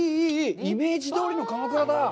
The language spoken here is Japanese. イメージどおりのかまくらだ！